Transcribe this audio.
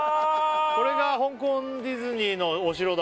これが香港ディズニーのお城だ。